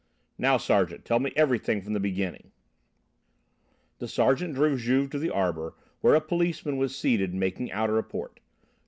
"Now, Sergeant, tell me everything from the beginning." The sergeant drew Juve to the arbour, where a policeman was seated making out a report.